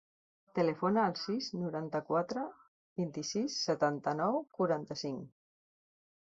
Telefona al sis, noranta-quatre, vint-i-sis, setanta-nou, quaranta-cinc.